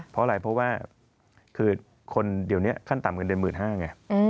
เพราะอะไรเพราะว่าคือคนเดี๋ยวนี้ขั้นต่ำเงินเดือน๑๕๐๐ไง